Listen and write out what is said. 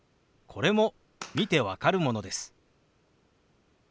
これも見て分かるものです。